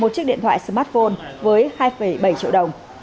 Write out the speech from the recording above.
một chiếc điện thoại smartphone với hai bảy triệu đồng